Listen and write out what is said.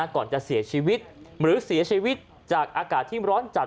ก่อนจะเสียชีวิตหรือเสียชีวิตจากอากาศที่ร้อนจัด